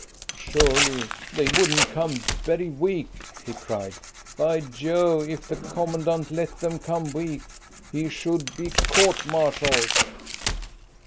"Surely they wouldn't come very weak," he cried. "Be Jove, if the Commandant let them come weak, he should be court martialled."